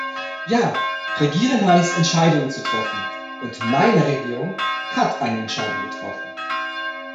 Ja, Regieren heißt Entscheidungen zu treffen, und meine Regierung hat eine Entscheidung getroffen.